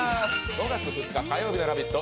５月２日、火曜日の「ラヴィット！」